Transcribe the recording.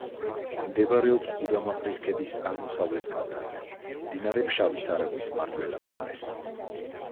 მდებარეობს გუდამაყრის ქედის აღმოსავლეთ კალთაზე, მდინარე ფშავის არაგვის მარჯვენა მხარეს.